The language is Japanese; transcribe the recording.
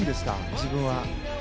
自分は。